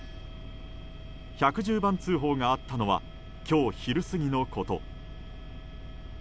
１１０番通報があったのは今日昼過ぎのこと。